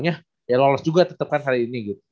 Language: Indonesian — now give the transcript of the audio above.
ya lolos juga tetep kan hari ini